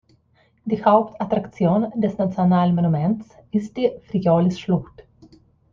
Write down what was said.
Die Hauptattraktion des National Monuments ist die Frijoles-Schlucht.